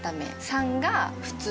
３が普通。